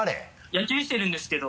野球してるんですけど。